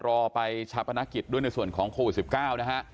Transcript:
รอไปชาปนกิจด้วยในส่วนของโควิด๑๙นะฮะ